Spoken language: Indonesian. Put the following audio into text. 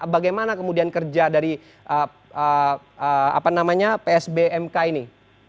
bagaimana kemudian kerja dari psbmk ini